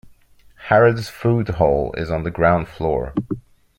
Harrods food hall is on the ground floor